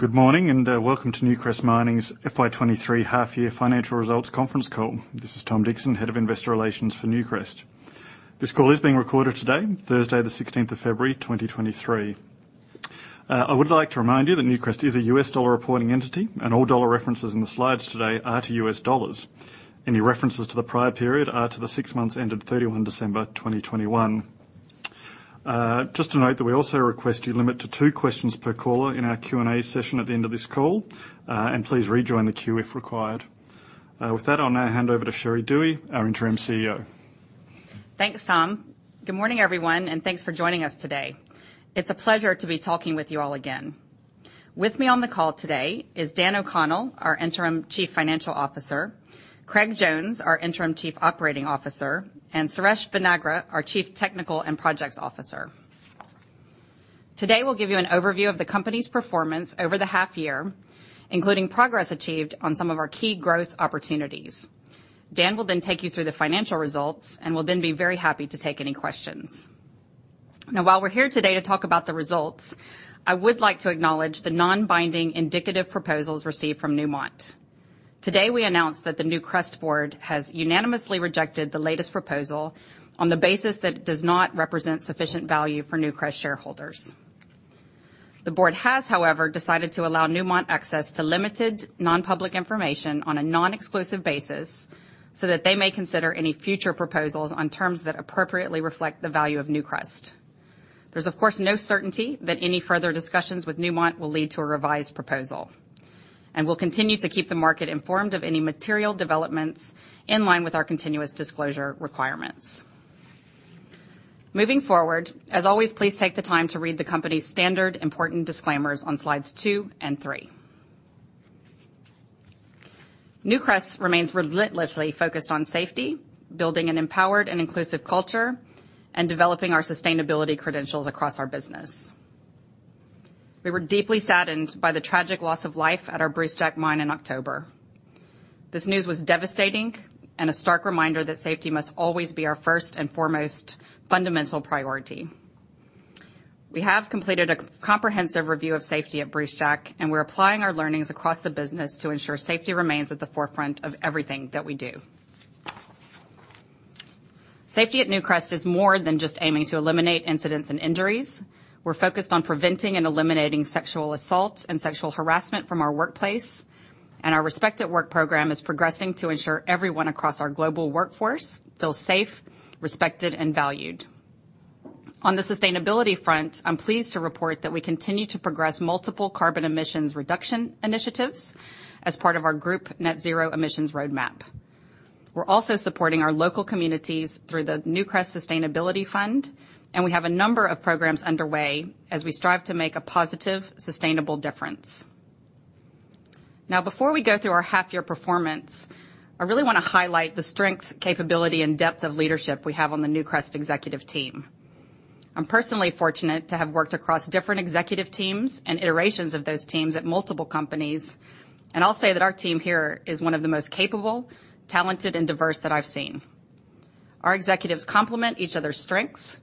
Good morning, welcome to Newcrest Mining's FY23 half-year financial results conference call. This is Tom Dixon, Head of Investor Relations for Newcrest. This call is being recorded today, Thursday, the 16th of February, 2023. I would like to remind you that Newcrest is a U.S. dollar reporting entity, and all dollar references in the slides today are to U.S. dollars. Any references to the prior period are to the six months ending 31 December 2021. Just to note that we also request you limit to two questions per caller in our Q&A session at the end of this call, please rejoin the queue if required. With that, I'll now hand over to Sherry Duhe, our Interim Chief Executive Officer. Thanks, Tom. Good morning, everyone, and thanks for joining us today. It's a pleasure to be talking with you all again. With me on the call today is Dan O'Connell, our interim chief financial officer, Craig Jones, our interim chief operating officer, and Suresh Vadnagra, our chief technical and projects officer. Today, we'll give you an overview of the company's performance over the half year, including progress achieved on some of our key growth opportunities. Dan will then take you through the financial results, and we'll then be very happy to take any questions. Now, while we're here today to talk about the results, I would like to acknowledge the non-binding indicative proposals received from Newmont. Today, we announced that the Newcrest Board has unanimously rejected the latest proposal on the basis that it does not represent sufficient value for Newcrest shareholders. The board has, however, decided to allow Newmont access to limited non-public information on a non-exclusive basis so that they may consider any future proposals on terms that appropriately reflect the value of Newcrest. There's of course, no certainty that any further discussions with Newmont will lead to a revised proposal. We'll continue to keep the market informed of any material developments in line with our continuous disclosure requirements. Moving forward, as always, please take the time to read the company's standard important disclaimers on slides two and three. Newcrest remains relentlessly focused on safety, building an empowered and inclusive culture, and developing our sustainability credentials across our business. We were deeply saddened by the tragic loss of life at our Brucejack mine in October. This news was devastating and a stark reminder that safety must always be our first and foremost fundamental priority. We have completed a comprehensive review of safety at Brucejack, and we're applying our learnings across the business to ensure safety remains at the forefront of everything that we do. Safety at Newcrest is more than just aiming to eliminate incidents and injuries. We're focused on preventing and eliminating sexual assault and sexual harassment from our workplace, and our Respect at Work program is progressing to ensure everyone across our global workforce feels safe, respected, and valued. On the sustainability front, I'm pleased to report that we continue to progress multiple carbon emissions reduction initiatives as part of our group net zero emissions roadmap. We're also supporting our local communities through the Newcrest Sustainability Fund, and we have a number of programs underway as we strive to make a positive, sustainable difference. Before we go through our half year performance, I really want to highlight the strength, capability and depth of leadership we have on the Newcrest executive team. I'm personally fortunate to have worked across different executive teams and iterations of those teams at multiple companies, and I'll say that our team here is one of the most capable, talented, and diverse that I've seen. Our executives complement each other's strengths,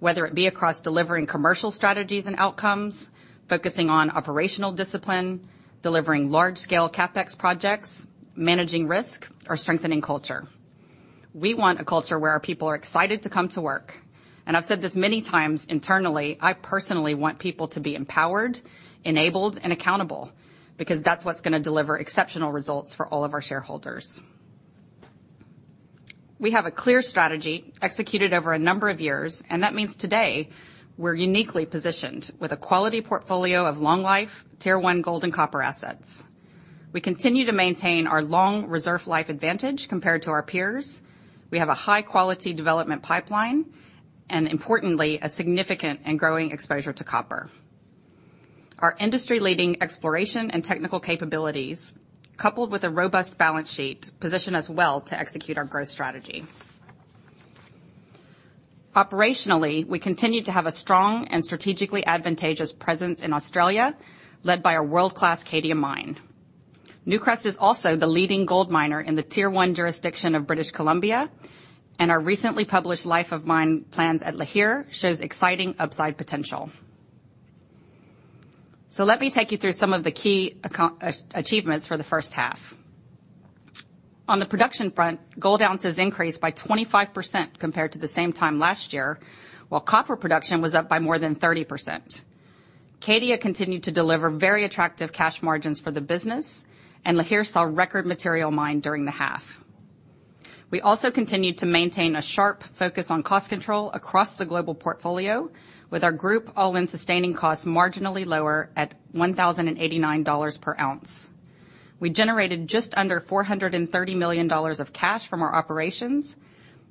whether it be across delivering commercial strategies and outcomes, focusing on operational discipline, delivering large-scale CapEx projects, managing risk, or strengthening culture. We want a culture where our people are excited to come to work. I've said this many times internally, I personally want people to be empowered, enabled, and accountable, because that's what's going to deliver exceptional results for all of our shareholders. We have a clear strategy executed over a number of years, that means today we're uniquely positioned with a quality portfolio of long life, Tier One gold and copper assets. We continue to maintain our long reserve life advantage compared to our peers. We have a high quality development pipeline, importantly, a significant and growing exposure to copper. Our industry-leading exploration and technical capabilities, coupled with a robust balance sheet, position us well to execute our growth strategy. Operationally, we continue to have a strong and strategically advantageous presence in Australia, led by our world-class Cadia mine. Newcrest is also the leading gold miner in the Tier One jurisdiction of British Columbia, our recently published life of mine plans at Lihir shows exciting upside potential. Let me take you through some of the key achievements for the first half. On the production front, gold ounces increased by 25% compared to the same time last year, while copper production was up by more than 30%. Cadia continued to deliver very attractive cash margins for the business, and Lihir saw record material mine during the half. We also continued to maintain a sharp focus on cost control across the global portfolio with our group all-in sustaining costs marginally lower at $1,089 per ounce. We generated just under $430 million of cash from our operations,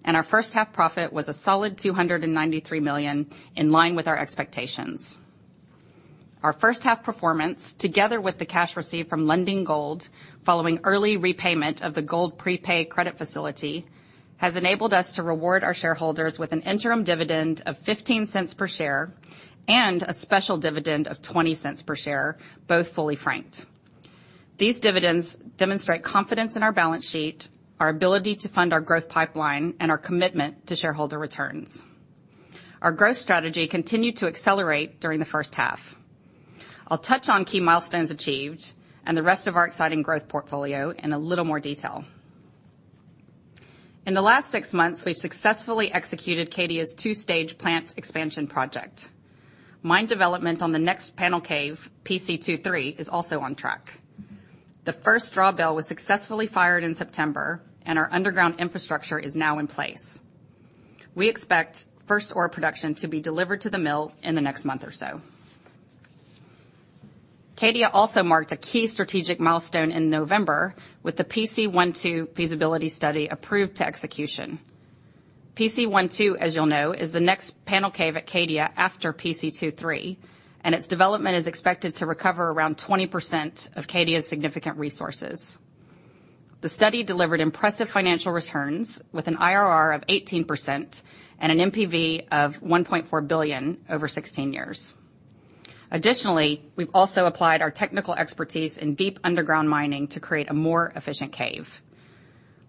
and our first half profit was a solid $293 million, in line with our expectations. Our first half performance, together with the cash received from Lundin Gold following early repayment of the gold prepay credit facility, has enabled us to reward our shareholders with an interim dividend of 0.15 per share and a special dividend of 0.20 per share, both fully franked. These dividends demonstrate confidence in our balance sheet, our ability to fund our growth pipeline, and our commitment to shareholder returns. Our growth strategy continued to accelerate during the first half. I'll touch on key milestones achieved and the rest of our exciting growth portfolio in a little more detail. In the last six months, we've successfully executed Cadia's two-stage plant expansion project. Mine development on the next panel cave, PC23, is also on track. The first drawbell was successfully fired in September, and our underground infrastructure is now in place. We expect first ore production to be delivered to the mill in the next month or so. Cadia also marked a key strategic milestone in November with the PC12 feasibility study approved to execution. PC12, as you'll know, is the next panel cave at Cadia after PC23, and its development is expected to recover around 20% of Cadia's significant resources. The study delivered impressive financial returns with an IRR of 18% and an NPV of $1.4 billion over 16 years. Additionally, we've also applied our technical expertise in deep underground mining to create a more efficient cave.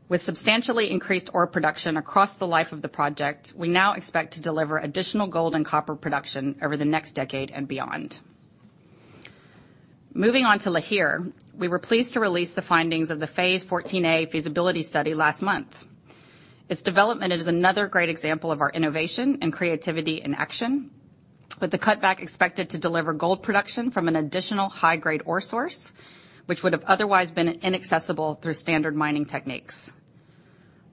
With substantially increased ore production across the life of the project, we now expect to deliver additional gold and copper production over the next decade and beyond. Moving on to Lihir, we were pleased to release the findings of the Phase 14A feasibility study last month. Its development is another great example of our innovation and creativity in action, with the cutback expected to deliver gold production from an additional high-grade ore source, which would have otherwise been inaccessible through standard mining techniques.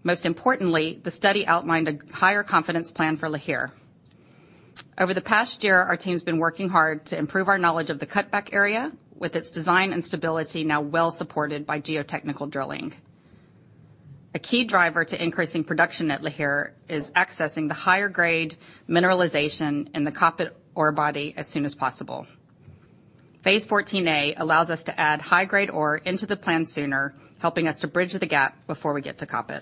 The study outlined a higher confidence plan for Lihir. Over the past year, our team's been working hard to improve our knowledge of the cutback area, with its design and stability now well supported by geotechnical drilling. A key driver to increasing production at Lihir is accessing the higher grade mineralization in the Kapit ore body as soon as possible. Phase 14A allows us to add high-grade ore into the plan sooner, helping us to bridge the gap before we get to Kapit.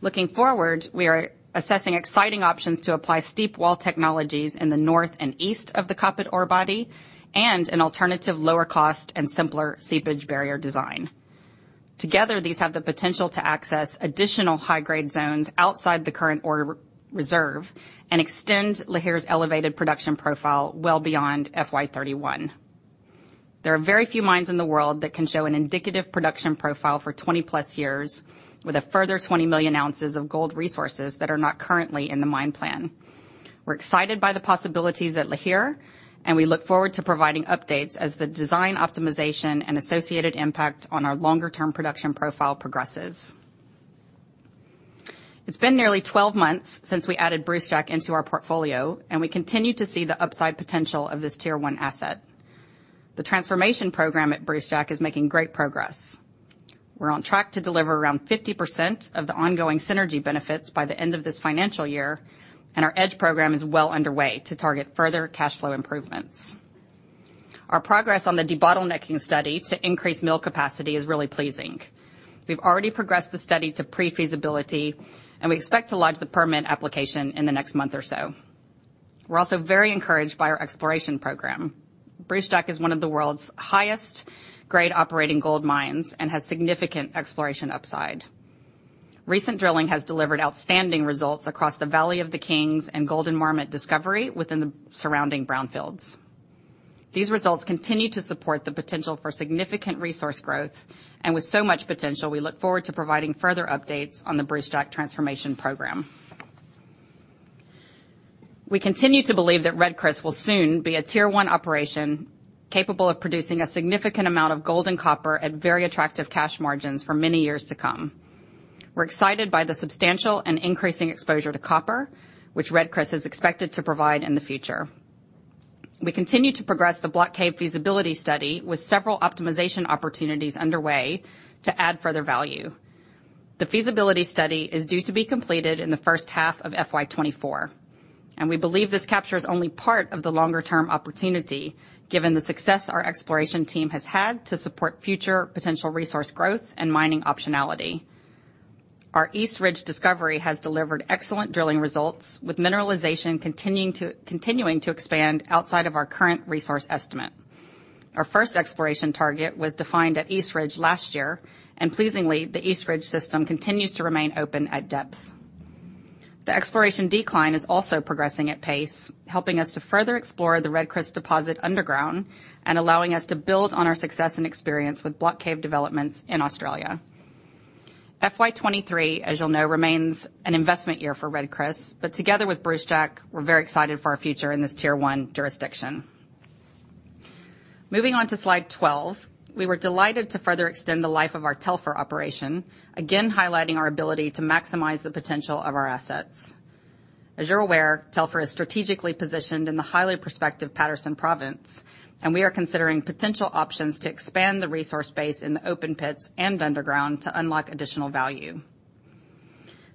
Looking forward, we are assessing exciting options to apply steep wall technologies in the north and east of the Kapit ore body and an alternative lower cost and simpler seepage barrier design. Together, these have the potential to access additional high-grade zones outside the current ore re-reserve and extend Lihir's elevated production profile well beyond FY31. There are very few mines in the world that can show an indicative production profile for 20-plus years with a further 20 million ounces of gold resources that are not currently in the mine plan. We're excited by the possibilities at Lihir, and we look forward to providing updates as the design optimization and associated impact on our longer-term production profile progresses. It's been nearly 12 months since we added Brucejack into our portfolio, and we continue to see the upside potential of this Tier One asset. The transformation program at Brucejack is making great progress. We're on track to deliver around 50% of the ongoing synergy benefits by the end of this financial year. Our Edge program is well underway to target further cash flow improvements. Our progress on the debottlenecking study to increase mill capacity is really pleasing. We've already progressed the study to pre-feasibility. We expect to lodge the permit application in the next month or so. We're also very encouraged by our exploration program. Brucejack is one of the world's highest-grade operating gold mines and has significant exploration upside. Recent drilling has delivered outstanding results across the Valley of the Kings and Golden Marmot discovery within the surrounding brownfields. These results continue to support the potential for significant resource growth. With so much potential, we look forward to providing further updates on the Brucejack transformation program. We continue to believe that Red Chris will soon be a Tier one operation capable of producing a significant amount of gold and copper at very attractive cash margins for many years to come. We're excited by the substantial and increasing exposure to copper, which Red Chris is expected to provide in the future. We continue to progress the Block Cave feasibility study with several optimization opportunities underway to add further value. The feasibility study is due to be completed in the first half of FY24, and we believe this captures only part of the longer-term opportunity, given the success our exploration team has had to support future potential resource growth and mining optionality. Our East Ridge discovery has delivered excellent drilling results, with mineralization continuing to expand outside of our current resource estimate. Our first exploration target was defined at East Ridge last year. Pleasingly, the East Ridge system continues to remain open at depth. The exploration decline is also progressing at pace, helping us to further explore the Red Chris deposit underground and allowing us to build on our success and experience with Block Cave developments in Australia. FY23, as you'll know, remains an investment year for Red Chris. Together with Brucejack, we're very excited for our future in this Tier One jurisdiction. Moving on to slide 12, we were delighted to further extend the life of our Telfer operation, again highlighting our ability to maximize the potential of our assets. As you're aware, Telfer is strategically positioned in the highly prospective Paterson Province. We are considering potential options to expand the resource base in the open pits and underground to unlock additional value.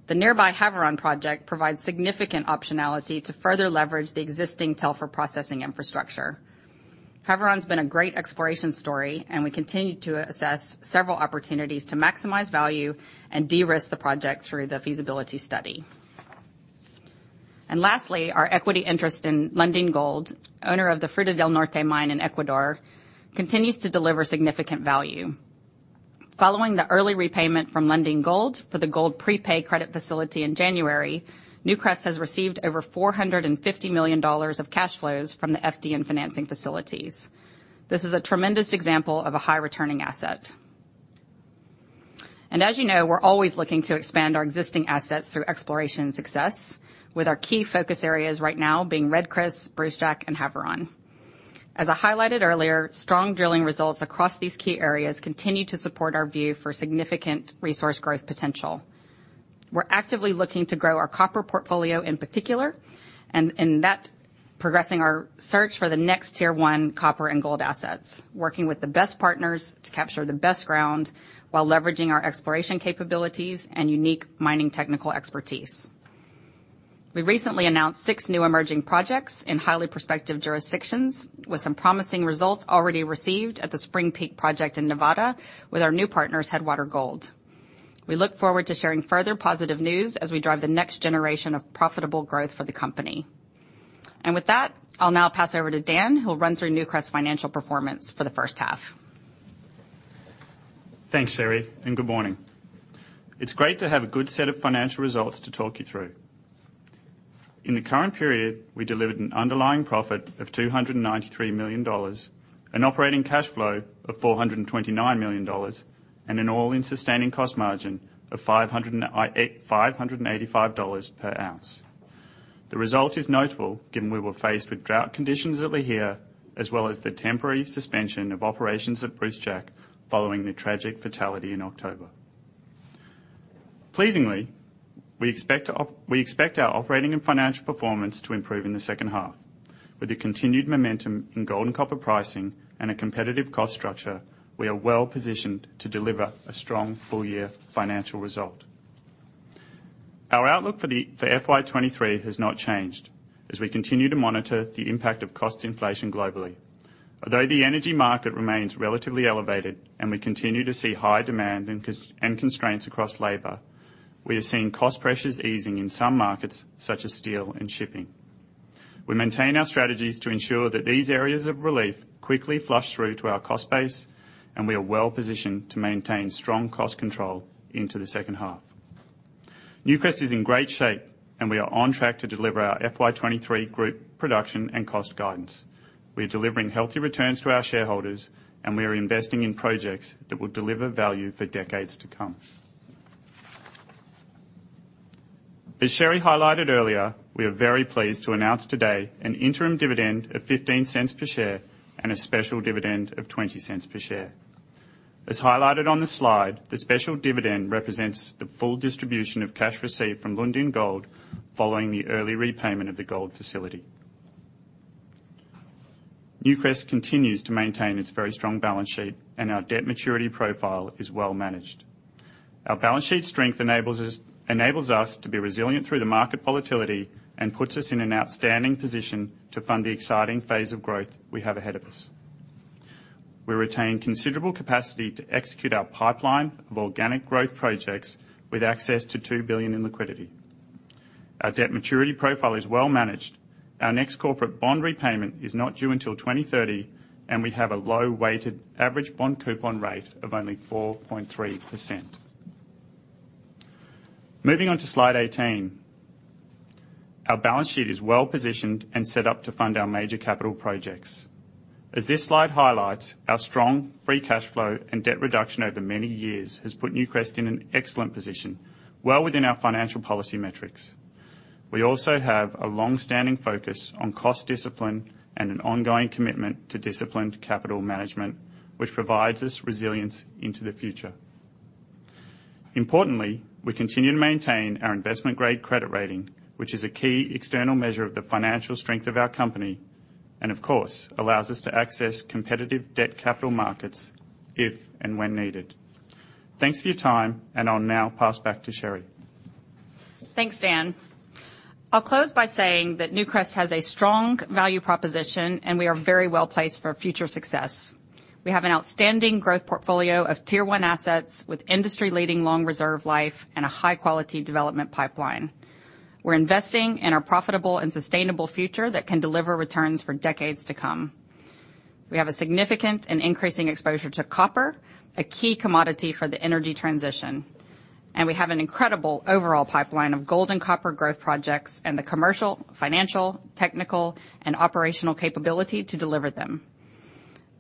The nearby Havieron Project provides significant optionality to further leverage the existing Telfer processing infrastructure. Havieron's been a great exploration story. We continue to assess several opportunities to maximize value and de-risk the project through the feasibility study. Lastly, our equity interest in Lundin Gold, owner of the Fruta del Norte mine in Ecuador, continues to deliver significant value. Following the early repayment from Lundin Gold for the gold prepay credit facility in January, Newcrest has received over $450 million of cash flows from the FDN financing facilities. This is a tremendous example of a high returning asset. As you know, we're always looking to expand our existing assets through exploration success, with our key focus areas right now being Red Chris, Brucejack, and Havieron. As I highlighted earlier, strong drilling results across these key areas continue to support our view for significant resource growth potential. We're actively looking to grow our copper portfolio in particular, and that progressing our search for the next tier one copper and gold assets, working with the best partners to capture the best ground while leveraging our exploration capabilities and unique mining technical expertise. We recently announced six new emerging projects in highly prospective jurisdictions with some promising results already received at the Spring Peak project in Nevada with our new partners, Headwater Gold. We look forward to sharing further positive news as we drive the next generation of profitable growth for the company. With that, I'll now pass over to Dan, who will run through Newcrest's financial performance for the first half. Thanks, Sherry. Good morning. It's great to have a good set of financial results to talk you through. In the current period, we delivered an underlying profit of $293 million, an operating cash flow of $429 million, and an AISC margin of $585 per ounce. The result is notable given we were faced with drought conditions at Lihir, as well as the temporary suspension of operations at Brucejack following the tragic fatality in October. Pleasingly, we expect our operating and financial performance to improve in the second half. With the continued momentum in gold and copper pricing and a competitive cost structure, we are well-positioned to deliver a strong full-year financial result. Our outlook for FY23 has not changed as we continue to monitor the impact of cost inflation globally. Although the energy market remains relatively elevated and we continue to see high demand and constraints across labor, we are seeing cost pressures easing in some markets, such as steel and shipping. We maintain our strategies to ensure that these areas of relief quickly flush through to our cost base, and we are well-positioned to maintain strong cost control into the second half. Newcrest is in great shape, and we are on track to deliver our FY23 group production and cost guidance. We are delivering healthy returns to our shareholders, and we are investing in projects that will deliver value for decades to come. As Sherry highlighted earlier, we are very pleased to announce today an interim dividend of $0.15 per share and a special dividend of $0.20 per share. As highlighted on the slide, the special dividend represents the full distribution of cash received from Lundin Gold following the early repayment of the gold facility. Newcrest continues to maintain its very strong balance sheet, and our debt maturity profile is well managed. Our balance sheet strength enables us to be resilient through the market volatility and puts us in an outstanding position to fund the exciting phase of growth we have ahead of us. We retain considerable capacity to execute our pipeline of organic growth projects with access to $2 billion in liquidity. Our debt maturity profile is well managed. Our next corporate bond repayment is not due until 2030, and we have a low weighted average bond coupon rate of only 4.3%. Moving on to slide 18. Our balance sheet is well-positioned and set up to fund our major capital projects. As this slide highlights, our strong free cash flow and debt reduction over many years has put Newcrest in an excellent position, well within our financial policy metrics. We also have a long-standing focus on cost discipline and an ongoing commitment to disciplined capital management, which provides us resilience into the future. Importantly, we continue to maintain our investment-grade credit rating, which is a key external measure of the financial strength of our company. Of course, allows us to access competitive debt capital markets if and when needed. Thanks for your time, and I'll now pass back to Sherry. Thanks, Dan. I'll close by saying that Newcrest has a strong value proposition, and we are very well-placed for future success. We have an outstanding growth portfolio of tier one assets with industry-leading long reserve life and a high-quality development pipeline. We're investing in a profitable and sustainable future that can deliver returns for decades to come. We have a significant and increasing exposure to copper, a key commodity for the energy transition, and we have an incredible overall pipeline of gold and copper growth projects and the commercial, financial, technical, and operational capability to deliver them.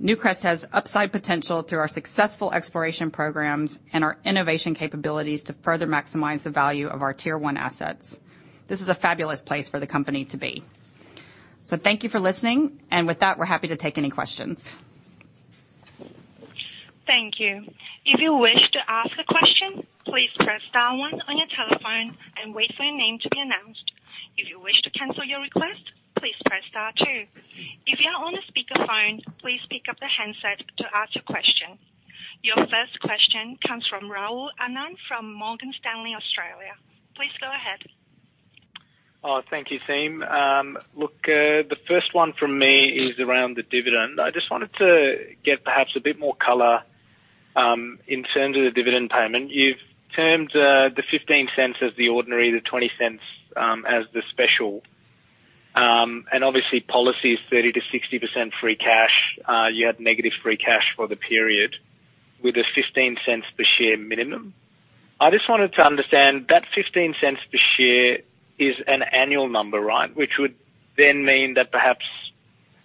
Newcrest has upside potential through our successful exploration programs and our innovation capabilities to further maximize the value of our tier one assets. This is a fabulous place for the company to be. Thank you for listening, and with that, we're happy to take any questions. Thank you. If you wish to ask a question, please press star one on your telephone and wait for your name to be announced. If you wish to cancel your request, please press star two. If you are on a speakerphone, please pick up the handset to ask your question. Your first question comes from Rahul Anand from Morgan Stanley Australia. Please go ahead. Oh, thank you, team. Look, the first one from me is around the dividend. I just wanted to get perhaps a bit more color in terms of the dividend payment. You've termed the $0.15 as the ordinary, the $0.20 as the special. Obviously, policy is 30%-60% free cash. You had negative free cash for the period with a $0.15 per share minimum. I just wanted to understand that $0.15 per share is an annual number, right? Which would then mean that perhaps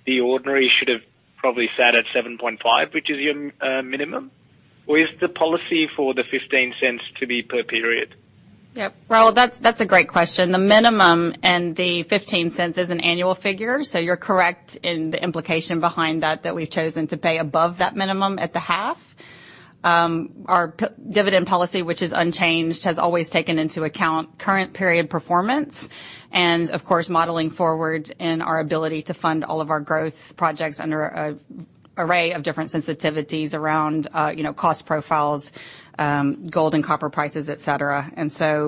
the ordinary should have probably sat at $0.075, which is your minimum. Or is the policy for the $0.15 to be per period? Yep. Raul, that's a great question. The minimum and the $0.15 is an annual figure. You're correct in the implication behind that we've chosen to pay above that minimum at the half. Our dividend policy, which is unchanged, has always taken into account current period performance and of course, modeling forward in our ability to fund all of our growth projects under a array of different sensitivities around, you know, cost profiles, gold and copper prices, et cetera.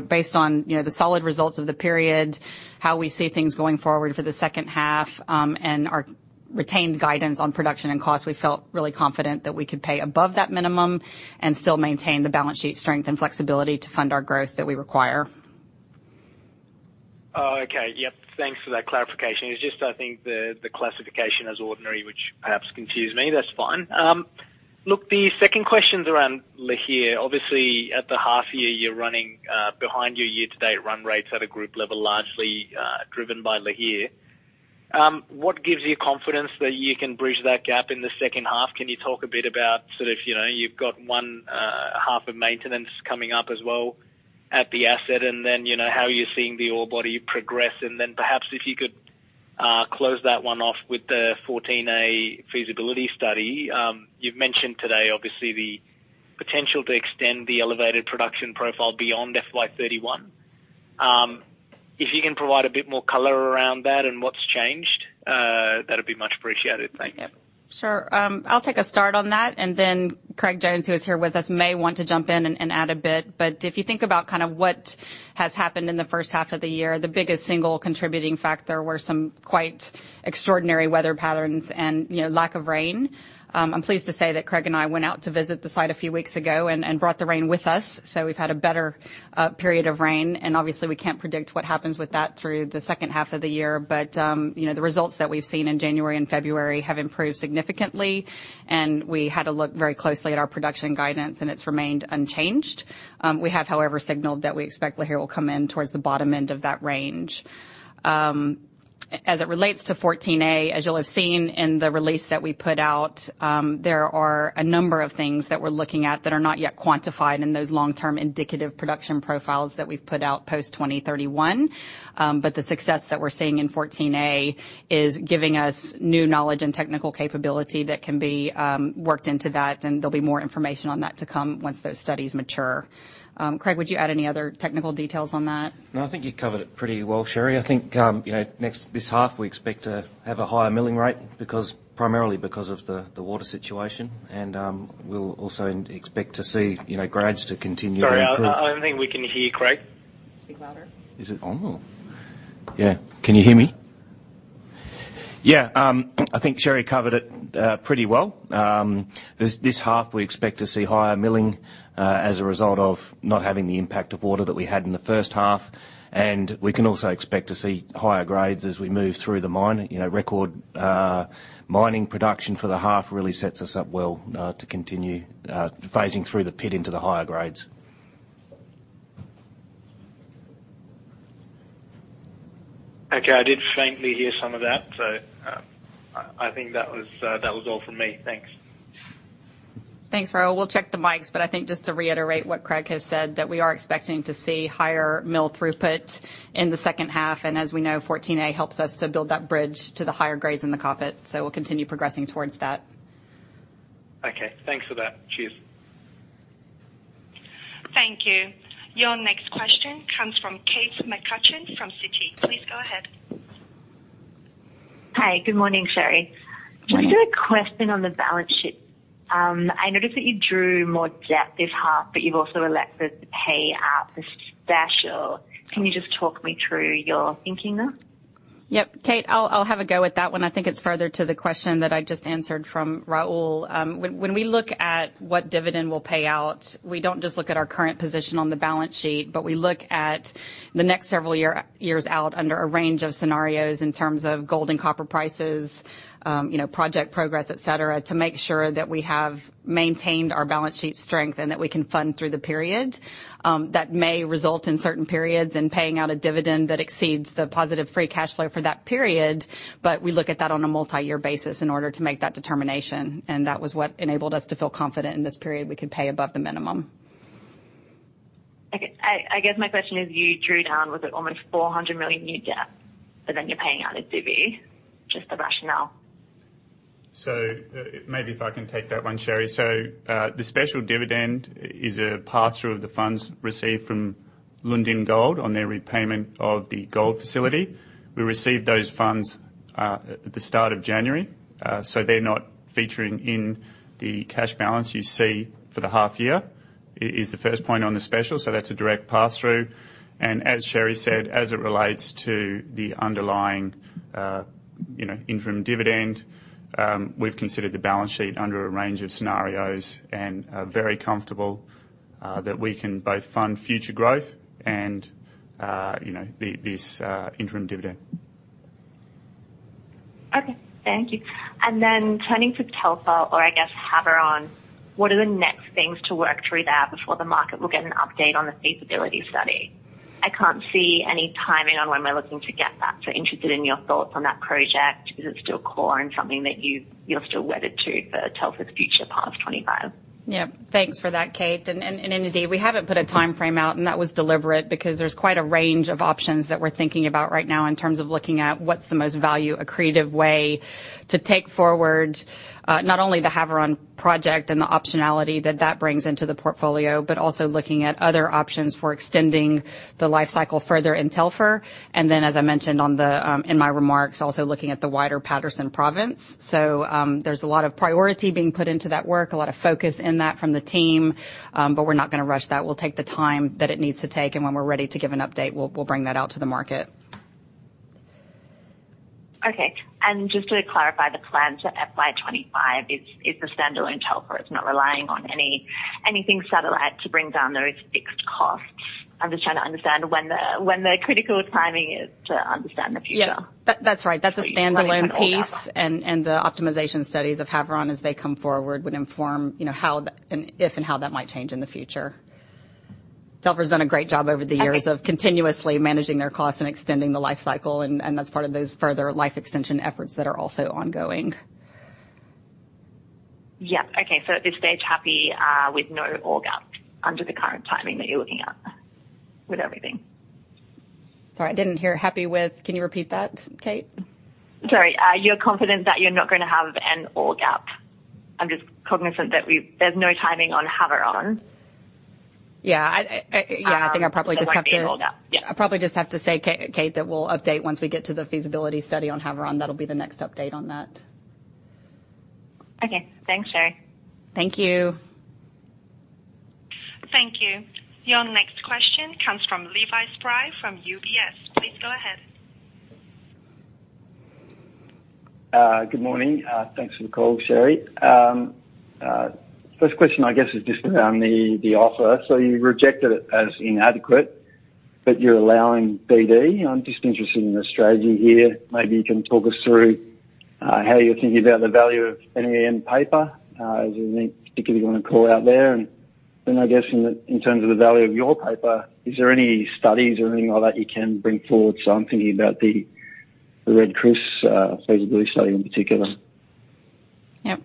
Based on, you know, the solid results of the period, how we see things going forward for the second half, and our retained guidance on production and cost, we felt really confident that we could pay above that minimum and still maintain the balance sheet strength and flexibility to fund our growth that we require. Oh, okay. Yep. Thanks for that clarification. It's just I think the classification as ordinary, which perhaps confused me. That's fine. The second question's around Lihir. At the half year you're running behind your year to date run rates at a group level, largely driven by Lihir. What gives you confidence that you can bridge that gap in the second half? Can you talk a bit about sort of, you know, you've got one half of maintenance coming up as well at the asset and then, you know, how you're seeing the ore body progress? Perhaps if you could close that one off with the Phase 14A feasibility study. You've mentioned today obviously the potential to extend the elevated production profile beyond FY31. If you can provide a bit more color around that and what's changed, that'd be much appreciated. Thank you. Sure. I'll take a start on that. Then Craig Jones, who is here with us, may want to jump in and add a bit. If you think about kind of what has happened in the first half of the year, the biggest single contributing factor were some quite extraordinary weather patterns and, you know, lack of rain. I'm pleased to say that Craig and I went out to visit the site a few weeks ago and brought the rain with us. We've had a better period of rain, and obviously we can't predict what happens with that through the second half of the year. You know, the results that we've seen in January and February have improved significantly, and we had a look very closely at our production guidance, and it's remained unchanged. We have, however, signaled that we expect Lihir will come in towards the bottom end of that range. As it relates to Phase 14A, as you'll have seen in the release that we put out, there are a number of things that we're looking at that are not yet quantified in those long-term indicative production profiles that we've put out post 2031. The success that we're seeing in Phase 14A is giving us new knowledge and technical capability that can be worked into that, and there'll be more information on that to come once those studies mature. Craig, would you add any other technical details on that? I think you covered it pretty well, Sherry. I think, you know, this half, we expect to have a higher milling rate because, primarily because of the water situation. We'll also expect to see, you know, grades to continue to improve. Sorry, I don't think we can hear you, Craig. Speak louder. Is it on or? Yeah. Can you hear me? Yeah. I think Sherry covered it pretty well. This, this half we expect to see higher milling as a result of not having the impact of water that we had in the first half. We can also expect to see higher grades as we move through the mine. You know, record mining production for the half really sets us up well to continue phasing through the pit into the higher grades. I did faintly hear some of that. I think that was all from me. Thanks. Thanks, Raul. We'll check the mics. I think just to reiterate what Craig has said, that we are expecting to see higher mill throughput in the second half, and as we know, 14A helps us to build that bridge to the higher grades in the Kapit. We'll continue progressing towards that. Okay. Thanks for that. Cheers. Thank you. Your next question comes from Kate McCutcheon from Citi. Please go ahead. Hi. Good morning, Sherry. Good morning. Just a question on the balance sheet. I noticed that you drew more debt this half, but you've also elected to pay out the special. Can you just talk me through your thinking there? Yep. Kate, I'll have a go at that one. I think it's further to the question that I just answered from Raul. When we look at what dividend we'll pay out, we don't just look at our current position on the balance sheet, but we look at the next several years out under a range of scenarios in terms of gold and copper prices, you know, project progress, et cetera, to make sure that we have maintained our balance sheet strength and that we can fund through the period. That may result in certain periods in paying out a dividend that exceeds the positive free cash flow for that period, but we look at that on a multi-year basis in order to make that determination, and that was what enabled us to feel confident in this period we could pay above the minimum. Okay. I guess my question is, you drew down, was it almost $400 million new debt, but then you're paying out a divvy? Just the rationale. Maybe if I can take that one, Sherry. The special dividend is a pass-through of the funds received from Lundin Gold on their repayment of the gold facility. We received those funds at the start of January, so they're not featuring in the cash balance you see for the half year, is the first point on the special, so that's a direct pass-through. As Sherry said, as it relates to the underlying, you know, interim dividend, we've considered the balance sheet under a range of scenarios and are very comfortable that we can both fund future growth and, you know, the, this, interim dividend. Okay. Thank you. Turning to Telfer or I guess Havieron, what are the next things to work through there before the market will get an update on the feasibility study? I can't see any timing on when we're looking to get that. Interested in your thoughts on that project. Is it still core and something that you're still wedded to for Telfer's future past FY25? Yeah. Thanks for that, Kate. Indeed, we haven't put a time frame out, and that was deliberate because there's quite a range of options that we're thinking about right now in terms of looking at what's the most value accretive way to take forward, not only the Havieron project and the optionality that that brings into the portfolio, but also looking at other options for extending the life cycle further in Telfer. Then, as I mentioned on the, in my remarks, also looking at the wider Paterson Province. There's a lot of priority being put into that work, a lot of focus in that from the team. We're not gonna rush that. We'll take the time that it needs to take, and when we're ready to give an update, we'll bring that out to the market. Okay. Just to clarify, the plan to FY25 is the standalone Telfer. It's not relying on anything satellite to bring down those fixed costs. I'm just trying to understand when the critical timing is to understand the future. Yeah. That's right. That's a standalone piece. The optimization studies of Havieron as they come forward would inform, you know, how and if and how that might change in the future. Telfer's done a great job over the years. Okay. Of continuously managing their costs and extending the life cycle, and that's part of those further life extension efforts that are also ongoing. Okay. Is stage happy with no ore gap under the current timing that you're looking at with everything? Sorry, I didn't hear. Can you repeat that, Kate? Sorry. You're confident that you're not gonna have an ore gap. I'm just cognizant that there's no timing on Havieron. Yeah. I, yeah, I think I probably just have to- There might be an ore gap. Yeah. I probably just have to say, Kate, that we'll update once we get to the feasibility study on Havieron. That'll be the next update on that. Okay. Thanks, Sherry. Thank you. Thank you. Your next question comes from Levi Spry from UBS. Please go ahead. Good morning. Thanks for the call, Sherry. First question, I guess, is just around the offer. You rejected it as inadequate, but you're allowing DD. I'm just interested in the strategy here. Maybe you can talk us through how you're thinking about the value of NEM paper, as you think particularly want to call out there. Then I guess in terms of the value of your paper, is there any studies or anything like that you can bring forward? I'm thinking about the Red Chris feasibility study in particular. Yep.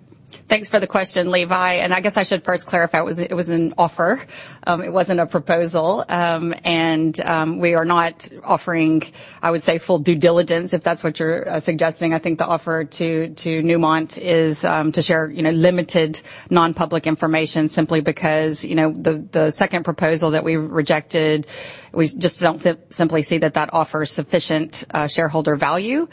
Thanks for the question, Levi. I guess I should first clarify it was an offer, it wasn't a proposal. we are not offering, I would say, full due diligence, if that's what you're suggesting. I think the offer to Newmont is to share, you know, limited non-public information simply because, you know, the second proposal that we rejected, we just don't simply see that that offers sufficient shareholder value.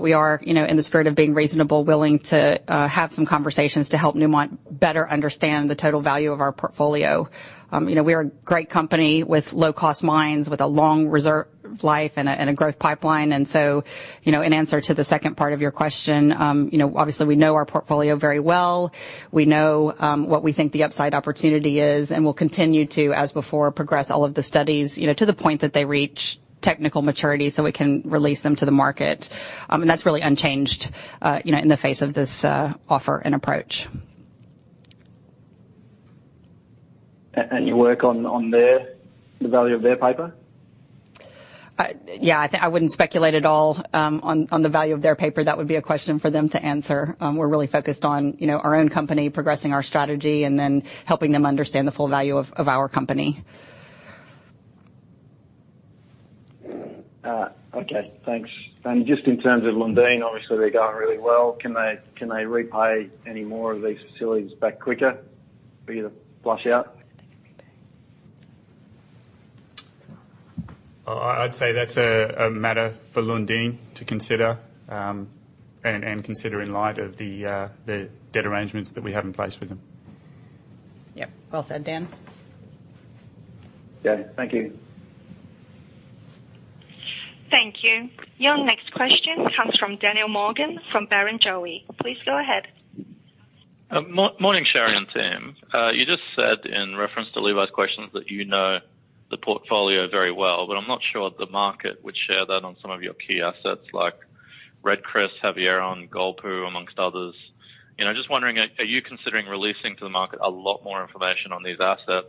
we are, you know, in the spirit of being reasonable, willing to have some conversations to help Newmont better understand the total value of our portfolio. you know, we are a great company with low-cost mines, with a long reserve life and a growth pipeline. You know, in answer to the second part of your question, you know, obviously we know our portfolio very well. We know, what we think the upside opportunity is, and we'll continue to, as before, progress all of the studies, you know, to the point that they reach technical maturity, so we can release them to the market. That's really unchanged, you know, in the face of this, offer and approach. you work on their, the value of their paper? Yeah, I wouldn't speculate at all on the value of their paper. That would be a question for them to answer. We're really focused on, you know, our own company, progressing our strategy, and then helping them understand the full value of our company. All right. Okay. Thanks. Just in terms of Lundin, obviously they're going really well. Can they repay any more of these facilities back quicker for you to flush out? I'd say that's a matter for Lundin to consider, and consider in light of the debt arrangements that we have in place with them. Yeah. Well said, Dan. Yeah. Thank you. Thank you. Your next question comes from Daniel Morgan from Barrenjoey. Please go ahead. morning, Sherry and team. You just said in reference to Levi's questions that you know the portfolio very well, but I'm not sure the market would share that on some of your key assets like Red Chris, Havieron, Golpu, amongst others. You know, just wondering, are you considering releasing to the market a lot more information on these assets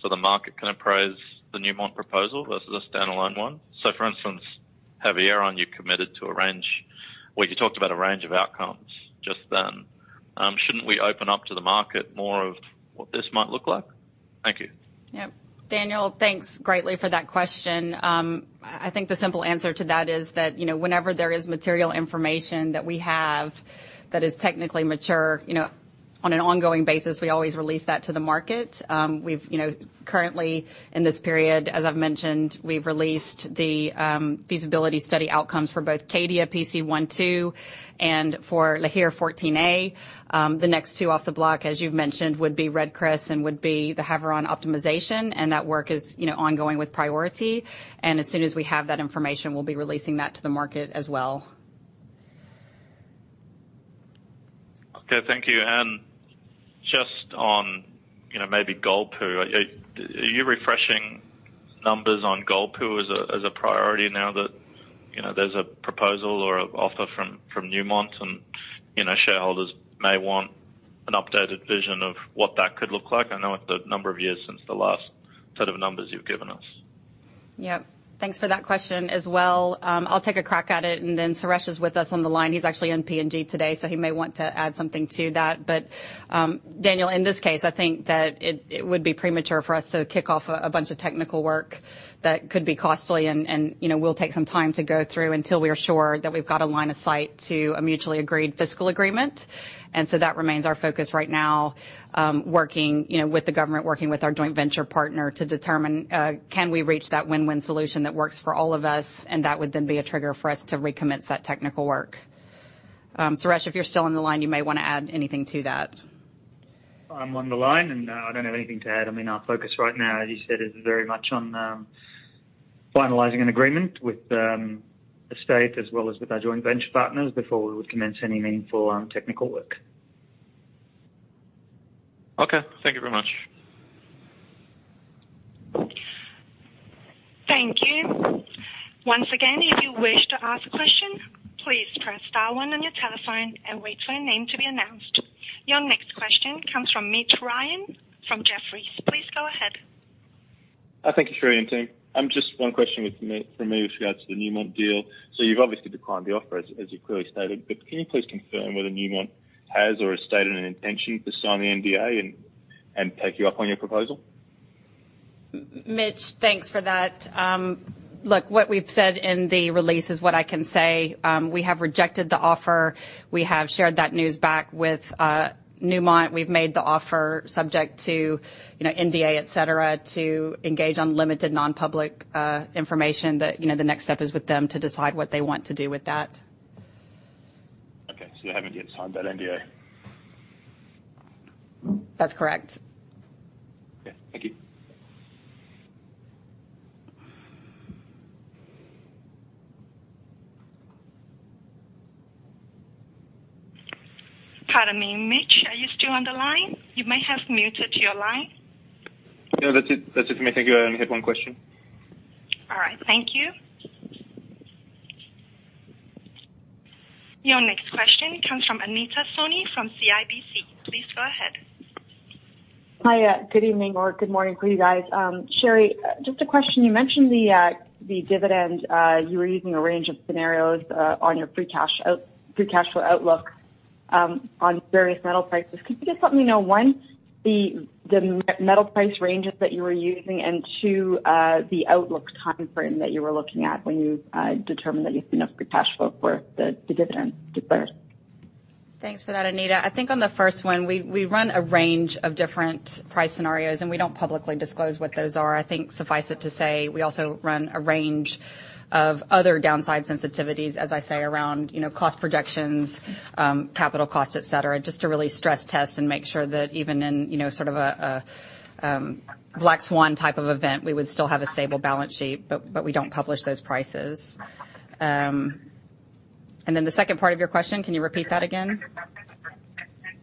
so the market can appraise the Newmont proposal versus a standalone one? For instance, Havieron, Well, you talked about a range of outcomes just then. shouldn't we open up to the market more of what this might look like? Thank you. Yep. Daniel, thanks greatly for that question. I think the simple answer to that is that, you know, whenever there is material information that we have that is technically mature, you know, on an ongoing basis, we always release that to the market. We've, you know, currently in this period, as I've mentioned, we've released the feasibility study outcomes for both Cadia PC12 and for Lihir 14A. The next two off the block, as you've mentioned, would be Red Chris and would be the Havieron optimization, and that work is, you know, ongoing with priority. As soon as we have that information, we'll be releasing that to the market as well. Okay. Thank you. Just on, you know, maybe Golpu. Are you refreshing numbers on Golpu as a, as a priority now that, you know, there's a proposal or offer from Newmont, and, you know, shareholders may want an updated vision of what that could look like? I know it's been a number of years since the last set of numbers you've given us. Yeah. Thanks for that question as well. I'll take a crack at it, and then Suresh is with us on the line. He's actually in PNG today, so he may want to add something to that. Daniel, in this case, I think that it would be premature for us to kick off a bunch of technical work that could be costly and, you know, will take some time to go through until we are sure that we've got a line of sight to a mutually agreed fiscal agreement. That remains our focus right now, working, you know, with the government, working with our joint venture partner to determine, can we reach that win-win solution that works for all of us, and that would then be a trigger for us to recommence that technical work. Suresh, if you're still on the line, you may wanna add anything to that. I'm on the line, I don't have anything to add. I mean, our focus right now, as you said, is very much on finalizing an agreement with the state as well as with our joint venture partners before we would commence any meaningful technical work. Okay. Thank you very much. Thank you. Once again, if you wish to ask a question, please press star one on your telephone and wait for your name to be announced. Your next question comes from Mitch Ryan from Jefferies. Please go ahead. Thank you, Sherry and team. Just one question from me with regards to the Newmont deal. You've obviously declined the offer as you clearly stated, but can you please confirm whether Newmont has or has stated an intention to sign the NDA and take you up on your proposal? Mitch, thanks for that. Look, what we've said in the release is what I can say. We have rejected the offer. We have shared that news back with, Newmont. We've made the offer subject to, you know, NDA, et cetera, to engage on limited non-public, information that, you know, the next step is with them to decide what they want to do with that. Okay. They haven't yet signed that NDA? That's correct. Okay. Thank you. Pardon me, Mitch, are you still on the line? You may have muted your line. No, that's it. That's it from me. Thank you. I only had one question. All right. Thank you. Your next question comes from Anita Soni from CIBC. Please go ahead. Hi. Good evening or good morning for you guys. Sherry, just a question. You mentioned the dividend. You were using a range of scenarios on your free cash flow outlook on various metal prices. Could you just let me know, one, the metal price ranges that you were using, and two, the outlook timeframe that you were looking at when you determined that you had enough free cash flow for the dividend declared? Thanks for that, Anita. I think on the first one, we run a range of different price scenarios, and we don't publicly disclose what those are. I think suffice it to say, we also run a range of other downside sensitivities, as I say, around, you know, cost projections, capital cost, et cetera, just to really stress test and make sure that even in, you know, sort of a black swan type of event, we would still have a stable balance sheet, but we don't publish those prices. Then the second part of your question, can you repeat that again?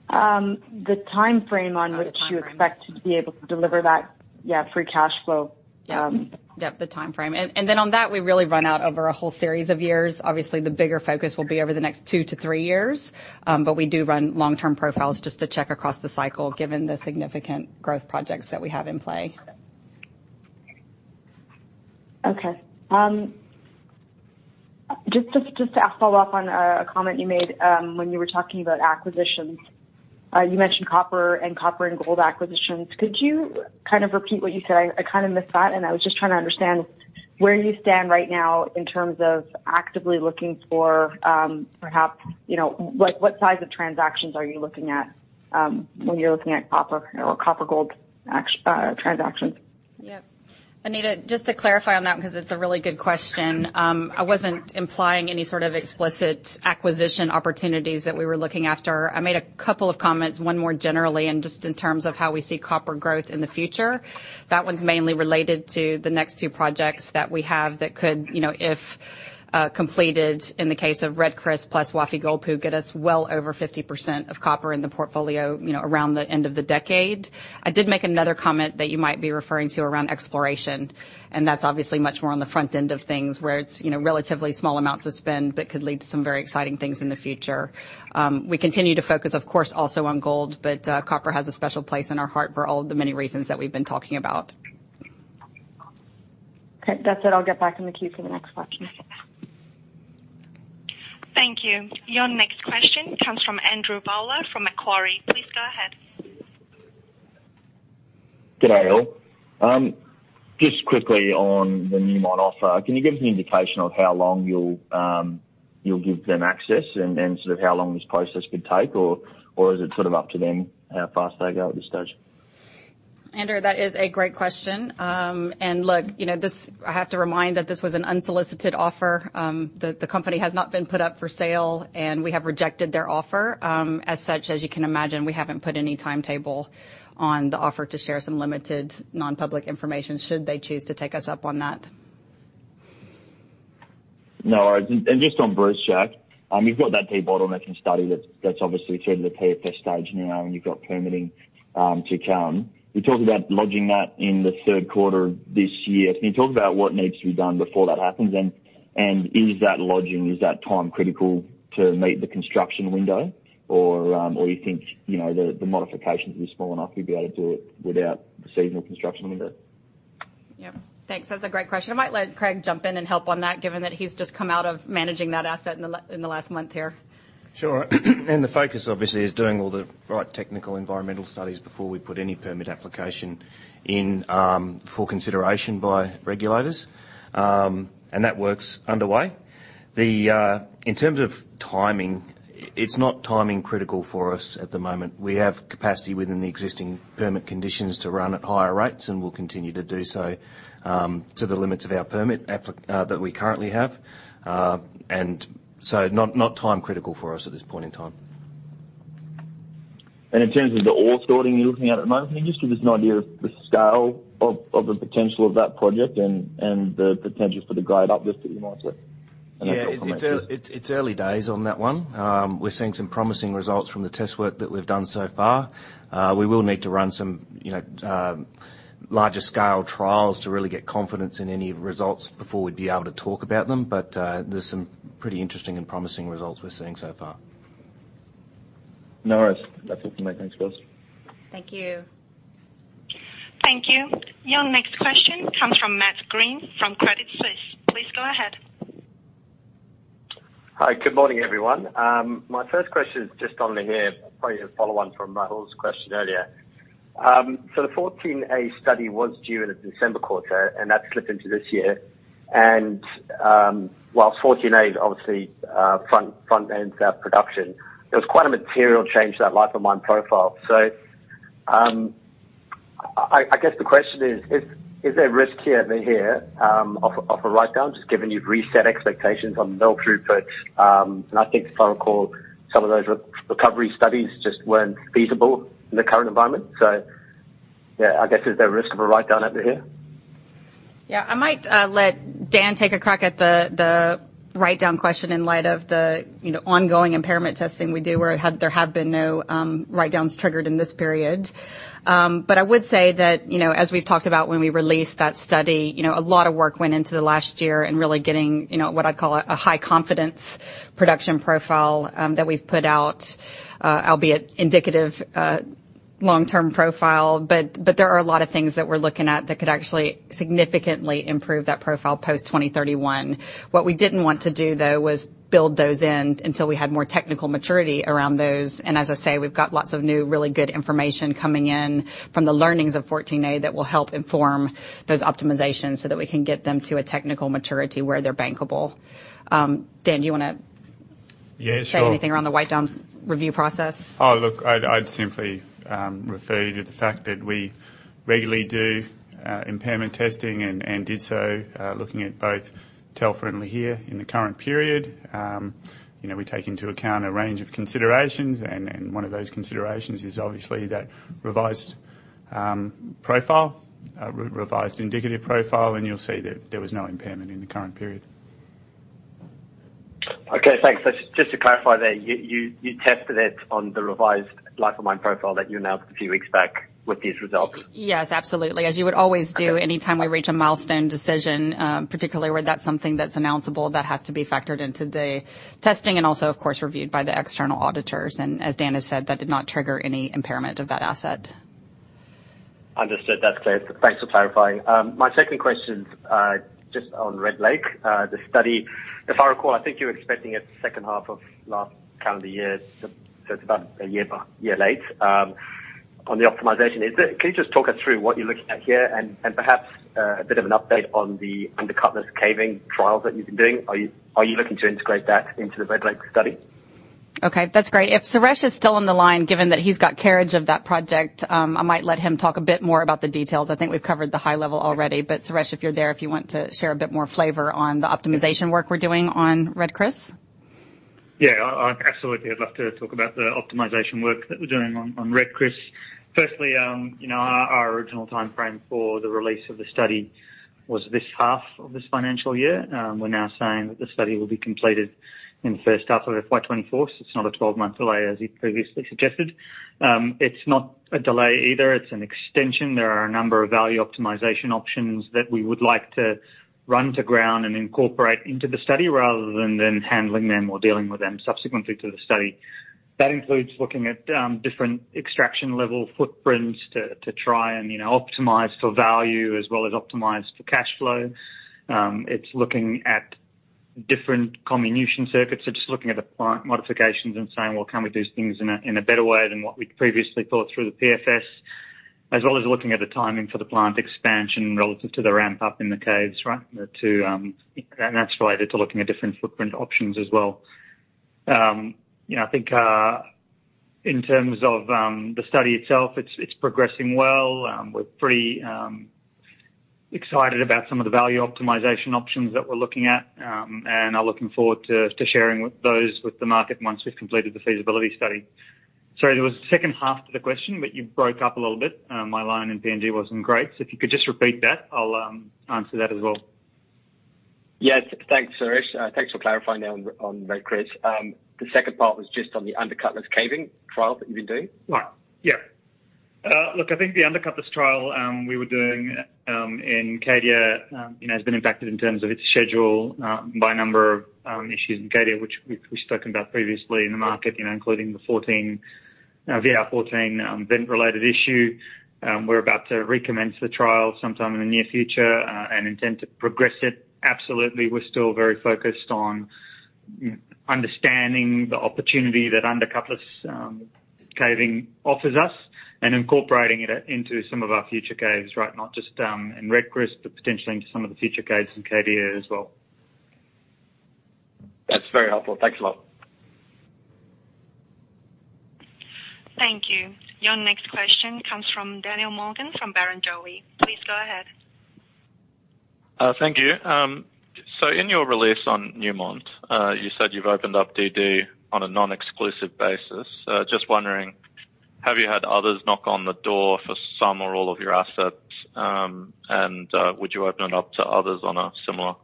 The timeframe on which you expect to be able to deliver that, yeah, free cash flow. Yep, the timeframe. Then on that, we really run out over a whole series of years. Obviously, the bigger focus will be over the next two to three years. We do run long-term profiles just to check across the cycle, given the significant growth projects that we have in play. Okay. Just to ask follow-up on a comment you made, when you were talking about acquisitions. You mentioned copper and copper and gold acquisitions. Could you kind of repeat what you said? I kind of missed that, and I was just trying to understand where you stand right now in terms of actively looking for, perhaps, you know, like, what size of transactions are you looking at, when you're looking at copper or copper gold transactions? Yep. Anita, just to clarify on that because it's a really good question. I wasn't implying any sort of explicit acquisition opportunities that we were looking after. I made a couple of comments, one more generally, and just in terms of how we see copper growth in the future. That one's mainly related to the next two projects that we have that could, you know, if completed in the case of Red Chris plus Wafi-Golpu, get us well over 50% of copper in the portfolio, you know, around the end of the decade. I did make another comment that you might be referring to around exploration, and that's obviously much more on the front end of things, where it's, you know, relatively small amounts of spend, but could lead to some very exciting things in the future. We continue to focus, of course, also on gold, but copper has a special place in our heart for all of the many reasons that we've been talking about. Okay. That's it. I'll get back in the queue for the next question. Thank you. Your next question comes from Andrew Bowler from Macquarie. Please go ahead. G'day, all. Just quickly on the Newmont offer, can you give us an indication of how long you'll give them access and sort of how long this process could take, or is it sort of up to them how fast they go at this stage? Andrew, that is a great question. Look, you know, I have to remind that this was an unsolicited offer. The company has not been put up for sale, and we have rejected their offer. As such, as you can imagine, we haven't put any timetable on the offer to share some limited non-public information should they choose to take us up on that. No worries. Just on Brucejack, you've got that debottlenecking study that's obviously through to the PFS stage now, and you've got permitting to come. You talked about lodging that in the third quarter this year. Can you talk about what needs to be done before that happens? Is that lodging, is that time critical to meet the construction window? Or, or you think, you know, the modifications will be small enough you'll be able to do it without the seasonal construction window? Yep. Thanks. That's a great question. I might let Craig jump in and help on that, given that he's just come out of managing that asset in the last month here. Sure. The focus obviously is doing all the right technical environmental studies before we put any permit application in, for consideration by regulators. That work's underway. In terms of timing, it's not timing critical for us at the moment. We have capacity within the existing permit conditions to run at higher rates, and we'll continue to do so, to the limits of our permit application that we currently have. Not, not time critical for us at this point in time. In terms of the ore sorting you're looking at at the moment, can you just give us an idea of the scale of the potential of that project and the potential for the grade uplift that you might see? Yeah. That's your comment, too. It's early days on that one. We're seeing some promising results from the test work that we've done so far. We will need to run some, you know, larger scale trials to really get confidence in any results before we'd be able to talk about them. There's some pretty interesting and promising results we're seeing so far. No worries. That's it from me. Thanks, guys. Thank you. Thank you. Your next question comes from Matt Greene from Credit Suisse. Please go ahead. Hi. Good morning, everyone. My first question is just on Lihir, probably a follow-on from Rahul's question earlier. The Phase 14A study was due in the December quarter, and that's slipped into this year. Whilst Phase 14A is obviously front-end production, it was quite a material change to that life of mine profile. I guess the question is there risk here at Lihir of a write-down, just given you've reset expectations on mill throughput? And I think, if I recall, some of those re-recovery studies just weren't feasible in the current environment. Yeah, I guess is there risk of a write-down at Lihir? Yeah. I might let Dan take a crack at the write-down question in light of the, you know, ongoing impairment testing we do, where there have been no write-downs triggered in this period. I would say that, you know, as we've talked about when we released that study, you know, a lot of work went into the last year in really getting, you know, what I'd call a high confidence production profile, that we've put out, albeit indicative, long-term profile. There are a lot of things that we're looking at that could actually significantly improve that profile post-2031. What we didn't want to do, though, was build those in until we had more technical maturity around those. As I say, we've got lots of new, really good information coming in from the learnings of 14A that will help inform those optimizations so that we can get them to a technical maturity where they're bankable. Dan, do you want to Yeah, sure. ...say anything around the write-down review process? Oh, look, I'd simply refer you to the fact that we regularly do impairment testing and did so, looking at both Telfer and Lihir in the current period. You know, we take into account a range of considerations, and one of those considerations is obviously that revised profile, revised indicative profile, and you'll see that there was no impairment in the current period. Okay, thanks. Just to clarify there, you tested it on the revised life of mine profile that you announced a few weeks back with these results? Yes, absolutely, as you would always do- Okay. Anytime we reach a milestone decision, particularly where that's something that's announceable, that has to be factored into the testing and also, of course, reviewed by the external auditors. As Dan has said, that did not trigger any impairment of that asset. Understood. That's clear. Thanks for clarifying. My second question's just on Red Chris. The study, if I recall, I think you were expecting it the second half of last calendar year, so it's about a year late on the optimization. Can you just talk us through what you're looking at here and perhaps a bit of an update on the Undercutless Caving trials that you've been doing? Are you looking to integrate that into the Red Chris study? Okay, that's great. If Suresh is still on the line, given that he's got carriage of that project, I might let him talk a bit more about the details. I think we've covered the high level already. Suresh, if you're there, if you want to share a bit more flavor on the optimization work we're doing on Red Chris? I absolutely, I'd love to talk about the optimization work that we're doing on Red Chris. Firstly, you know, our original timeframe for the release of the study was this half of this financial year. We're now saying that the study will be completed in the first half of FY24, so it's not a 12-month delay as you previously suggested. It's not a delay either. It's an extension. There are a number of value optimization options that we would like to run to ground and incorporate into the study rather than then handling them or dealing with them subsequently to the study. That includes looking at different extraction level footprints to try and, you know, optimize for value as well as optimize for cash flow. It's looking at different comminution circuits. Just looking at the plant modifications and saying, "Well, can we do things in a, in a better way than what we previously thought through the PFS?" As well as looking at the timing for the plant expansion relative to the ramp up in the caves, right? That's related to looking at different footprint options as well. You know, I think in terms of the study itself, it's progressing well. We're pretty excited about some of the value optimization options that we're looking at, and are looking forward to sharing those with the market once we've completed the feasibility study. Sorry, there was a second half to the question, you broke up a little bit. My line in PNG wasn't great. If you could just repeat that, I'll answer that as well. Yes. Thanks, Suresh. Thanks for clarifying that on Red Chris. The second part was just on the Undercutless Caving trial that you've been doing. Right. Yeah, look, I think the Undercutless trial we were doing in Cadia has been impacted in terms of its schedule by a number of issues in Cadia, which we've spoken about previously in the market, including the VR14 vent related issue. We're about to recommence the trial sometime in the near future and intend to progress it. Absolutely, we're still very focused on understanding the opportunity that Undercutless Caving offers us and incorporating it into some of our future caves, right? Not just in Red Chris, but potentially into some of the future caves in Cadia as well. That's very helpful. Thanks a lot. Thank you. Your next question comes from Daniel Morgan from Barrenjoey. Please go ahead. Thank you. In your release on Newmont, you said you've opened up DD on a non-exclusive basis. Just wondering, have you had others knock on the door for some or all of your assets? Would you open it up to others on a similar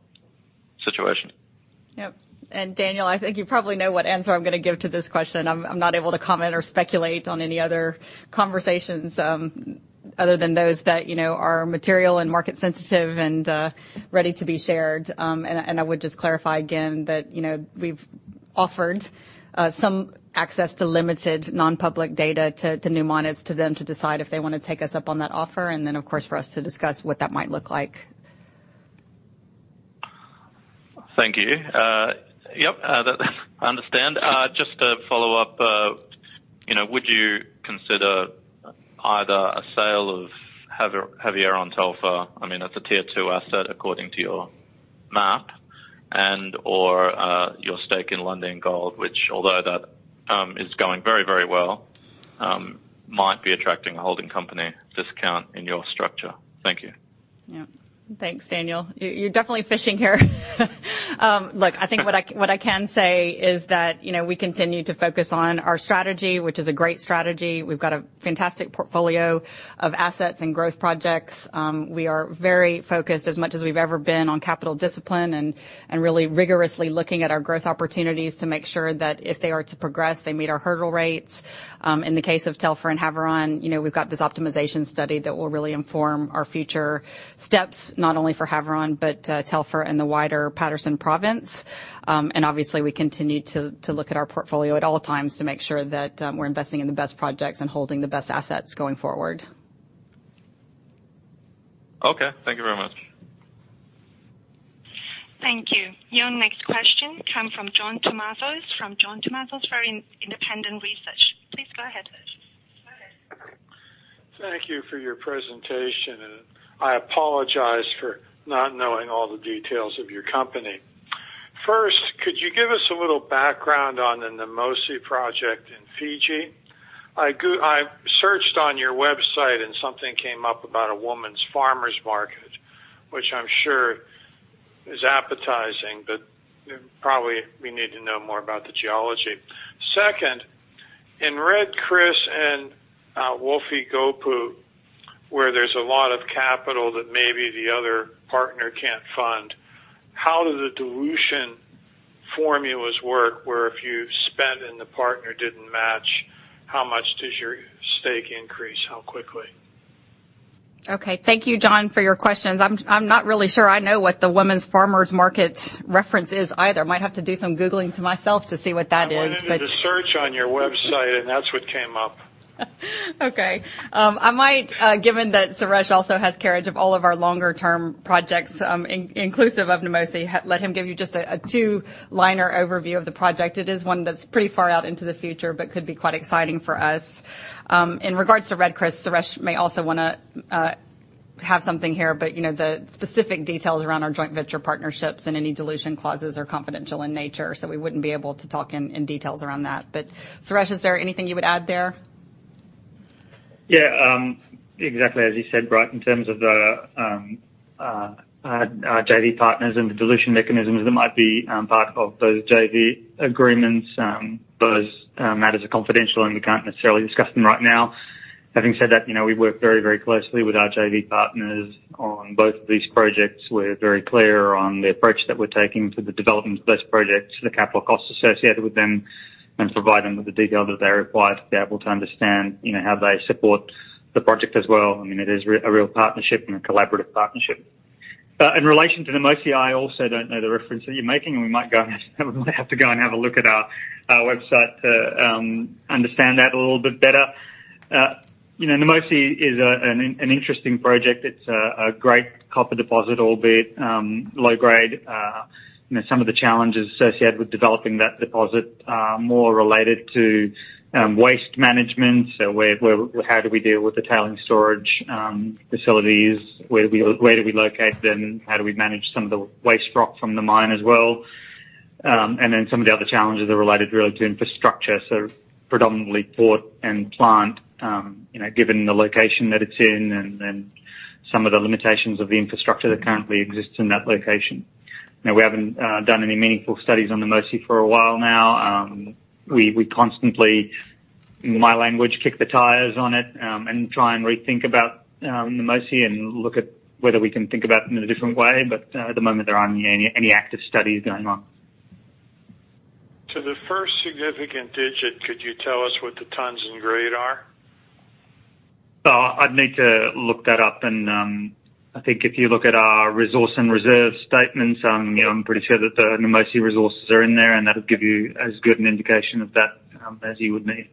situation? Yep. Daniel, I think you probably know what answer I'm gonna give to this question. I'm not able to comment or speculate on any other conversations, other than those that, you know, are material and market sensitive and ready to be shared. I would just clarify again that, you know, we've offered some access to limited non-public data to Newmont. It's to them to decide if they wanna take us up on that offer, and then, of course, for us to discuss what that might look like. Thank you. Yep, that, understand. Just to follow up, you know, would you consider either a sale of Havieron, Telfer, I mean, that's a tier two asset according to your map, and/or, your stake in Lundin Gold, which although that, is going very, very well, might be attracting a holding company discount in your structure? Thank you. Yeah. Thanks, Daniel. You're definitely fishing here. Look, I think what I can say is that, you know, we continue to focus on our strategy, which is a great strategy. We've got a fantastic portfolio of assets and growth projects. We are very focused as much as we've ever been on capital discipline and really rigorously looking at our growth opportunities to make sure that if they are to progress, they meet our hurdle rates. In the case of Telfer and Havieron, you know, we've got this optimization study that will really inform our future steps, not only for Havieron, but Telfer and the wider Paterson Province. Obviously, we continue to look at our portfolio at all times to make sure that we're investing in the best projects and holding the best assets going forward. Okay. Thank you very much. Thank you. Your next question come from John Tumazos from John Tumazos Very Independent Research. Please go ahead. Okay. Thank you for your presentation, and I apologize for not knowing all the details of your company. First, could you give us a little background on the Namosi project in Fiji? I searched on your website and something came up about a woman's farmer's market, which I'm sure is appetizing, but probably we need to know more about the geology. Second, in Red Chris and Wafi-Golpu, where there's a lot of capital that maybe the other partner can't fund, how do the dilution formulas work, where if you spend and the partner didn't match, how much does your stake increase? How quickly? Okay. Thank you, John, for your questions. I'm not really sure I know what the women's farmer's market reference is either. Might have to do some googling to myself to see what that is. I went into the search on your website, and that's what came up. Okay. I might, given that Suresh also has carriage of all of our longer term projects, inclusive of Namosi, let him give you just a two-liner overview of the project. It is one that's pretty far out into the future, but could be quite exciting for us. In regards to Red Chris, Suresh may also wanna have something here, but, you know, the specific details around our joint venture partnerships and any dilution clauses are confidential in nature, so we wouldn't be able to talk in details around that. Suresh, is there anything you would add there? Yeah, exactly as you said, right? In terms of the, our JV partners and the dilution mechanisms that might be part of those JV agreements, those matters are confidential, and we can't necessarily discuss them right now. Having said that, you know, we work very, very closely with our JV partners on both of these projects. We're very clear on the approach that we're taking to the development of those projects, the capital costs associated with them, and provide them with the detail that they require to be able to understand, you know, how they support the project as well. I mean, it is a real partnership and a collaborative partnership. In relation to Namosi, I also don't know the reference that you're making, and we might have to go and have a look at our website to understand that a little bit better. You know, Namosi is an interesting project. It's a great copper deposit, albeit low grade. You know, some of the challenges associated with developing that deposit are more related to waste management. Where, how do we deal with the tailing storage facilities? Where do we locate them? How do we manage some of the waste rock from the mine as well? Some of the other challenges are related really to infrastructure, so predominantly port and plant, you know, given the location that it's in and then some of the limitations of the infrastructure that currently exists in that location. No, we haven't done any meaningful studies on the Kapit for a while now. We constantly, in my language, kick the tires on it and try and rethink about the Kapit and look at whether we can think about them in a different way. At the moment, there aren't any active studies going on. To the first significant digit, could you tell us what the tons and grade are? I'd need to look that up and I think if you look at our resource and reserve statements, you know, I'm pretty sure that the Kapit resources are in there, and that'll give you as good an indication of that as you would need.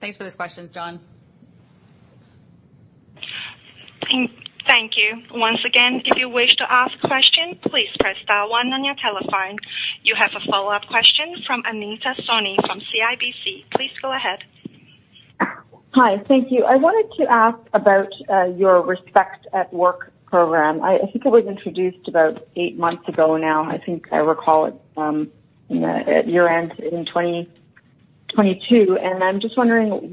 Thanks for those questions, John. Thank you. Once again, if you wish to ask questions, please press star one on your telephone. You have a follow-up question from Anita Soni from CIBC. Please go ahead. Hi. Thank you. I wanted to ask about your Respect at Work program. I think it was introduced about eight months ago now. I think I recall it, you know, at year-end in 2022. I'm just wondering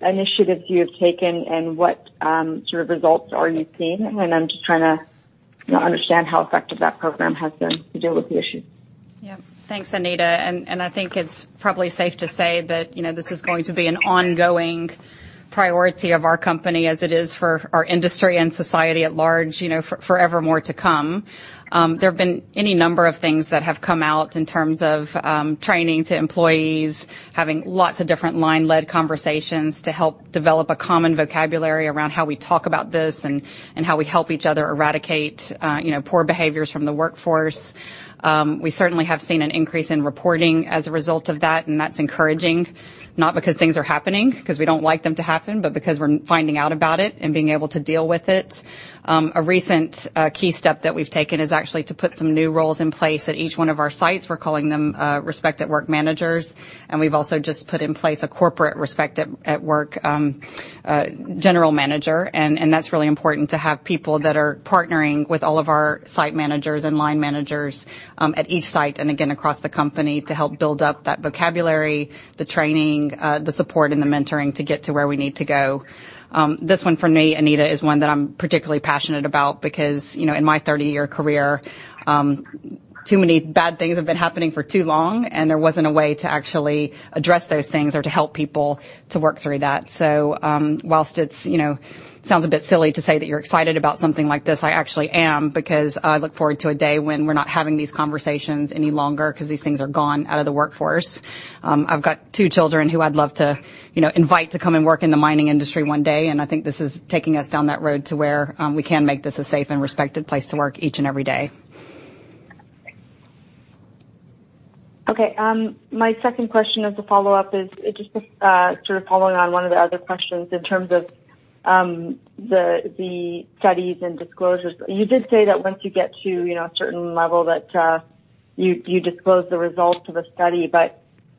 what initiatives you have taken and what sort of results are you seeing? I'm just trying to, you know, understand how effective that program has been to deal with the issue. Yeah. Thanks, Anita. I think it's probably safe to say that, you know, this is going to be an ongoing priority of our company as it is for our industry and society at large, you know, for evermore to come. There have been any number of things that have come out in terms of training to employees, having lots of different line lead conversations to help develop a common vocabulary around how we talk about this and how we help each other eradicate, you know, poor behaviors from the workforce. We certainly have seen an increase in reporting as a result of that, and that's encouraging, not because things are happening, 'cause we don't like them to happen, but because we're finding out about it and being able to deal with it. A recent key step that we've taken is actually to put some new roles in place at each one of our sites. We're calling them Respect at Work Managers. We've also just put in place a corporate Respect at Work general manager. That's really important to have people that are partnering with all of our site managers and line managers at each site, and again, across the company to help build up that vocabulary, the training, the support and the mentoring to get to where we need to go. This one for me, Anita, is one that I'm particularly passionate about because, you know, in my 30-year career, too many bad things have been happening for too long, and there wasn't a way to actually address those things or to help people to work through that. Whilst it's, you know, sounds a bit silly to say that you're excited about something like this, I actually am, because I look forward to a day when we're not having these conversations any longer 'cause these things are gone out of the workforce. I've got two children who I'd love to, you know, invite to come and work in the mining industry one day, and I think this is taking us down that road to where, we can make this a safe and respected place to work each and every day. Okay, my second question as a follow-up is just sort of following on one of the other questions in terms of the studies and disclosures. You did say that once you get to, you know, a certain level that you disclose the results of the study.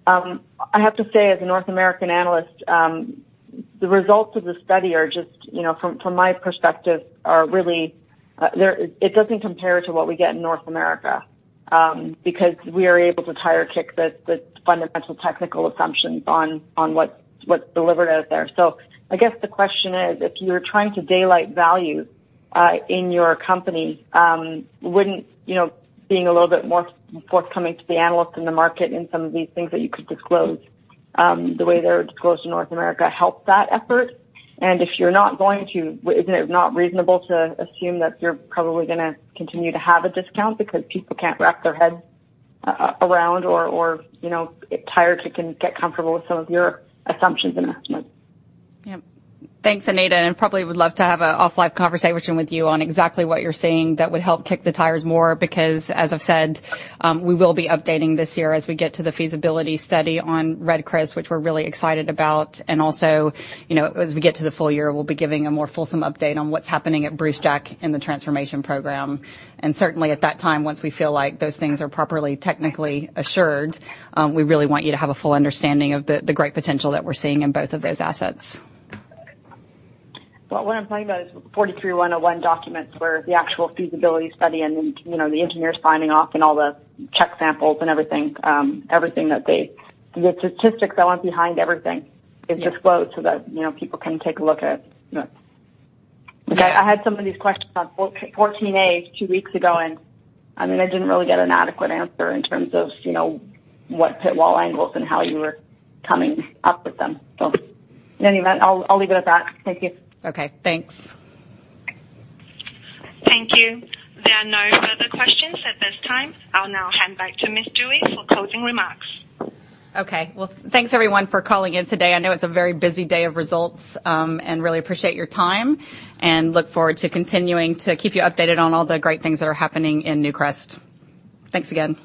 I have to say as a North American analyst, the results of the study are just, you know, from my perspective, are really, it doesn't compare to what we get in North America, because we are able to tire kick the fundamental technical assumptions on what's delivered out there. I guess the question is: If you're trying to daylight value in your company, wouldn't, you know, being a little bit more forthcoming to the analysts in the market in some of these things that you could disclose, the way they're disclosed in North America, help that effort? If you're not going to, isn't it not reasonable to assume that you're probably gonna continue to have a discount because people can't wrap their heads around or, you know, tire kick and get comfortable with some of your assumptions and estimates? Yep. Thanks, Anita, probably would love to have a offline conversation with you on exactly what you're saying that would help kick the tires more because, as I've said, we will be updating this year as we get to the feasibility study on Red Chris, which we're really excited about. Also, you know, as we get to the full year, we'll be giving a more fulsome update on what's happening at Brucejack in the transformation program. Certainly at that time, once we feel like those things are properly technically assured, we really want you to have a full understanding of the great potential that we're seeing in both of those assets. Well, what I'm talking about is NI 43-101 documents where the actual feasibility study and, you know, the engineers signing off and all the check samples and everything, the statistics that went behind everything is disclosed so that, you know, people can take a look at. Yeah. I had some of these questions on 14A two weeks ago, I mean, I didn't really get an adequate answer in terms of, you know, what pit wall angles and how you were coming up with them. In any event, I'll leave it at that. Thank you. Okay, thanks. Thank you. There are no further questions at this time. I'll now hand back to Sherry Duhe for closing remarks. Okay. Well, thanks everyone for calling in today. I know it's a very busy day of results. Really appreciate your time and look forward to continuing to keep you updated on all the great things that are happening in Newcrest. Thanks again.